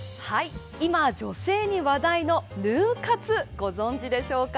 今、女性に話題のヌン活ご存じでしょうか。